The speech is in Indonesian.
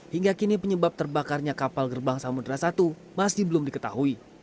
hingga kini penyebab terbakarnya kapal gerbang samudera satu masih belum diketahui